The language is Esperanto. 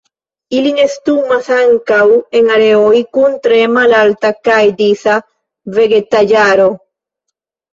Ili nestumas ankaŭ en areoj kun tre malalta kaj disa vegetaĵaro.